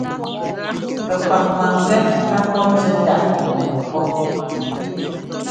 Pɛpaŋ mangɛ́ ká pɔ́ nzuɛ táʼ ŋu pɔ́.